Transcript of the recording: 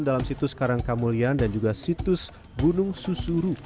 dalam situs karangkamulia dan juga situs gunung susuru